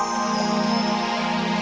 saya mengalami satu takdir terakhir ini